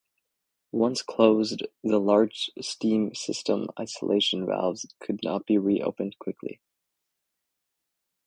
Once closed, the large steam system isolation valves could not be reopened quickly.